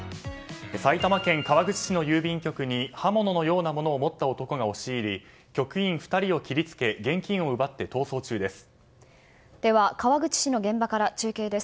埼玉県川口市の郵便局に刃物のようなものを持った男が押し入り局員２人を切りつけ現金を奪って逃走中です。